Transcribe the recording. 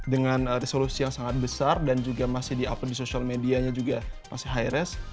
dengan resolusi yang sangat besar dan juga masih di upload di sosial medianya juga masih high risk